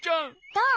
どう？